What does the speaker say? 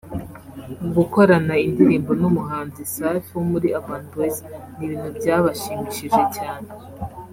gukorana indirimbo n’umuhanzi Safi wo muri Urban Boys ni ibintu byabashimishije cyane